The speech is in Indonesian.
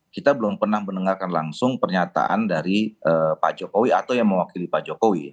kita belum pernah mendengarkan langsung pernyataan dari pak jokowi atau yang mewakili pak jokowi